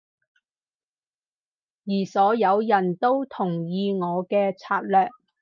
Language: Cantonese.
而所有人都同意我嘅策略